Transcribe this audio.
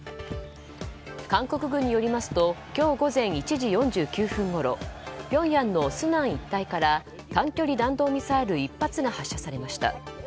韓国軍によりますと今日午前１時４９分ごろピョンヤンのスナン一帯から短距離弾道ミサイル１発が発射されました。